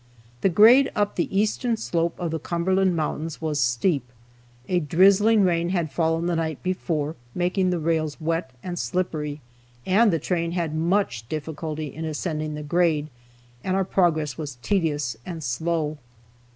The grade up the eastern slope of the Cumberland Mountains was steep, a drizzling rain had fallen the night before, making the rails wet and slippery, and the train had much difficulty in ascending the grade, and our progress was tedious and slow.